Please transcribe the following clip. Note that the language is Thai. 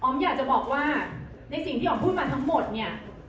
อยากจะบอกว่าในสิ่งที่หอมพูดมาทั้งหมดเนี่ย